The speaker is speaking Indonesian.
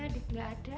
adik gak ada